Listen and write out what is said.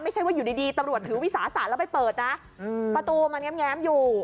ไม่ใช่ว่าอยู่ดีตำรวจถือวิสาสะแล้วไปเปิดนะประตูมันแง้มอยู่